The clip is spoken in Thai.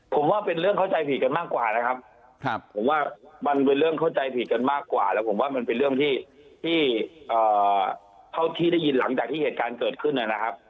ผมว่าเป็นเรื่องเข้าใจผิดกันมากกว่านะครับผมว่ามันเป็นเรื่องเข้าใจผิดกันมากกว่าแล้วผมว่ามันเป็นเรื่องที่เท่าที่ได้ยินหลังจากที่เหตุการณ์เกิดขึ้นนะครับ